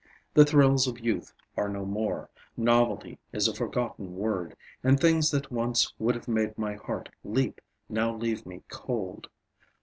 The thrills of youth are no more, novelty is a forgotten word, and things that once would have made my heart leap now leave me cold.